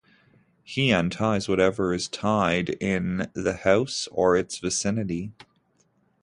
He unties whatever is tied in the house or its vicinity.